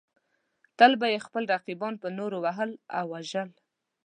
تل به یې خپل رقیبان په نورو وهل او وژل.